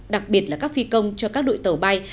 đặc biệt là các phi công cho các đội tàu bay